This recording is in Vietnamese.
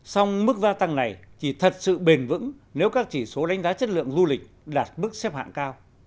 song mức gia tăng này chỉ thật sự bền vững nếu các chỉ số đánh giá chất lượng du lịch đạt mức xếp hạng cao